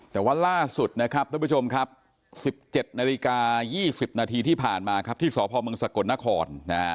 แต่ว่าล่าสุดนะครับท่านผู้ชมครับ๑๗นาฬิกา๒๐นาทีที่ผ่านมาครับที่สพมสกลนคร